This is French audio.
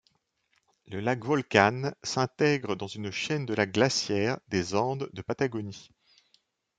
Le lac Volcán s'intègre dans une chaîne de lacs glaciaires des Andes de Patagonie.